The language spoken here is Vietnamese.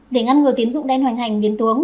để ngăn ngừa tín dụng đen hoành hành biến tướng